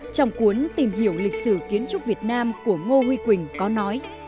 trong cuốn tìm hiểu lịch sử kiến trúc việt nam của ngô huy quỳnh có nói